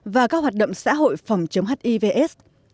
và các hoạt động xã hội phòng chống hivs